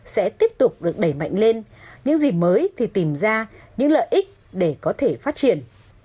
sẽ tiếp tục được đẩy mạnh lên những gì mới thì tìm ra những lợi ích để có thể phát triển